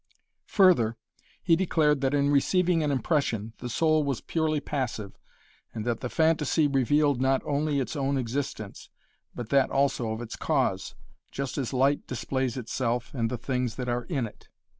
Further, he declared that in receiving an impression the soul was purely passive and that the phantasy revealed not only its own existence, but that also of its cause, just as light displays itself and the things that are in it.